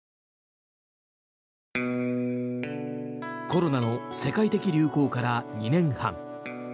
コロナの世界的流行から２年半。